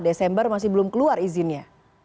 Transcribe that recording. desember masih belum keluar izinnya